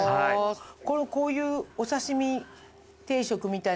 こういうお刺し身定食みたいなやつは。